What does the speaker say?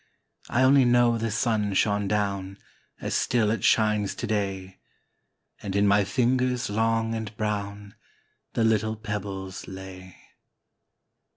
I only know the sun shone down As still it shines to day, And in my fingers long and brown The little pebbles lay.